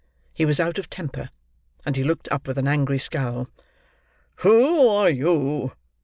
He was out of temper; and he looked up with an angry scowl. "Who are you?"